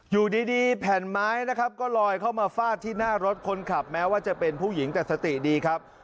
อยู่ดีแผ่นไม้นะครับก็ลอยเข้ามาฟาดที่หน้ารถคนขับแม้ว่าจะเป็นผู้หญิงแต่สติดีครับ